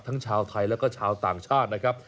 ทั้งชาวไทยแล้วก็ชาวต่างชาตินะครับ